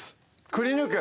くりぬく？